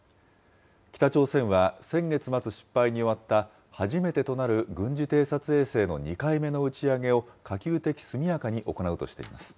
北朝鮮は、先月末、失敗に終わった初めてとなる軍事偵察衛星の２回目の打ち上げを可及的速やかに行うとしています。